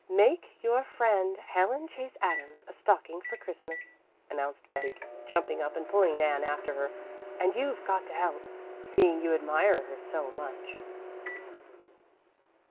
"Make your friend Helen Chase Adams a stock for Christmas," announced Betty, jumping up and pulling Nan after her. "And you've got to help, seeing you admire her so much."